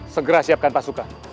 segera siapkan pasukan